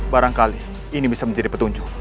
barangkali ini bisa menjadi petunjuk